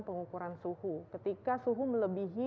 pengukuran suhu ketika suhu melebihi